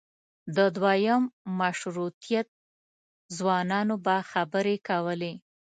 د دویم مشروطیت ځوانانو به خبرې کولې.